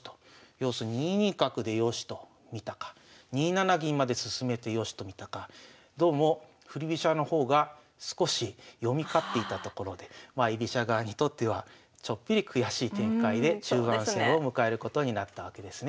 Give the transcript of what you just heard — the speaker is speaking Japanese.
要するに２二角で良しと見たか２七銀まで進めて良しと見たかどうも振り飛車の方が少し読み勝っていたところで居飛車側にとってはちょっぴり悔しい展開で中盤戦を迎えることになったわけですね。